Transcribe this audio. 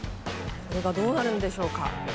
これがどうなるんでしょうか。